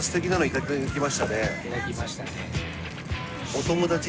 頂きましたね。